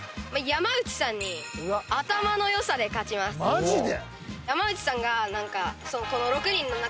マジで！？